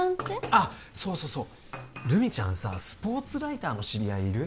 あっそうそうそう留美ちゃんさスポーツライターの知り合いいる？